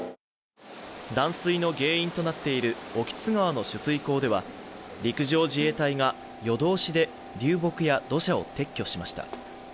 断水の原因となっている興津川の取水口では、陸上自衛隊が夜通しで流木や土砂を撤去しました。